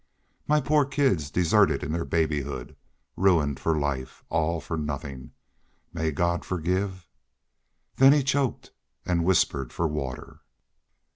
... My poor kids deserted in their babyhood ruined for life! All for nothin'.... May God forgive " Then he choked and whispered for water.